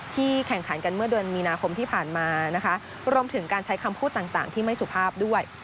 แข่งขันกันเมื่อเดือนมีนาคมที่ผ่านมานะคะรวมถึงการใช้คำพูดต่างที่ไม่สุภาพด้วย